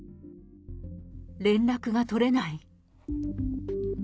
連絡が取れない。